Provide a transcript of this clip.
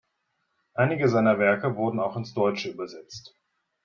Einige seiner Werke wurden auch ins Deutsche übersetzt.